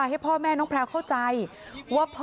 คำให้การในกอล์ฟนี่คือคำให้การในกอล์ฟนี่คือ